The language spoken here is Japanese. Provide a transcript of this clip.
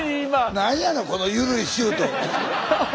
何やねんこの緩いシュート。